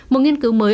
một nghiên cứu mới ở